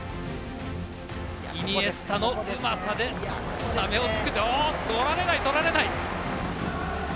イニエスタのうまさでタメを作っておとられないとられない！